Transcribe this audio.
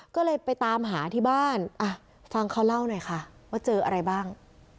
ก็เลยไปตามหาที่บ้านฟังเขาเล่าหน่อยค่ะว่าเจออะไรบ้าง